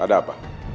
ya ada apa